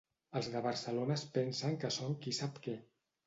Els de Barcelona es pensen que són qui sap què.